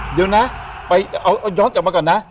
เดี๋ยวนะไปย้อนจากมาก่อนนะ